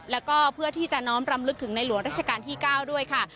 แล้วก็เพื่อที่จะน้อมรำลึกถึงในหลวงราชการที่๙ด้วยค่ะ